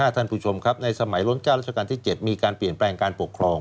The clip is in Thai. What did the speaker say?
ท่านผู้ชมครับในสมัยล้นเจ้ารัชกาลที่๗มีการเปลี่ยนแปลงการปกครอง